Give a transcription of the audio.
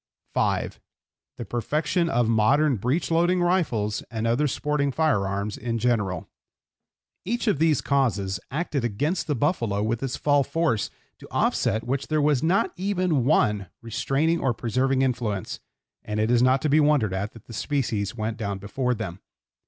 (5) The perfection of modern breech loading rifles and other sporting fire arms in general. Each of these causes acted against the buffalo with its fall force, to offset which there was not even one restraining or preserving influence, and it is not to be wondered at that the species went down before them.